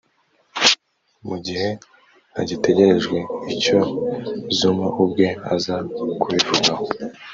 mu gihe hagitegerejwe icyo Zuma ubwe aza kubivugaho